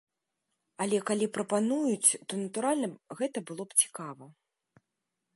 Але калі прапануюць, то, натуральна, гэта было б цікава.